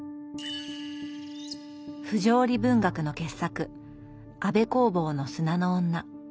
不条理文学の傑作安部公房の「砂の女」。